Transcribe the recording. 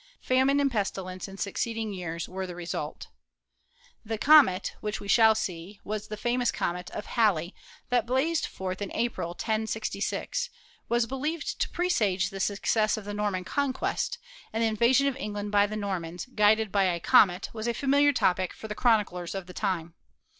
Famine and pestilence in succeeding years were the result. The comet, which, we shall see, was the famous comet of Halley that blazed forth in April, 1066, was believed to presage the success of the Norman Conquest, and the invasion of England by the Normans "guided by a comet" was a familiar topic for the chroniclers of the time.